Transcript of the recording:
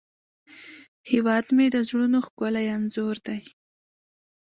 هیواد مې د زړونو ښکلی انځور دی